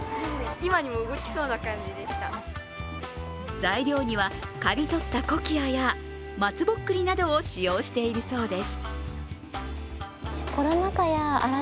材料には刈り取ったコキアや松ぼっくりなどを使用しているそうです。